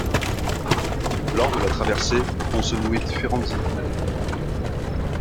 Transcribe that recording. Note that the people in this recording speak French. Lors de la traversée, vont se nouer différentes idylles.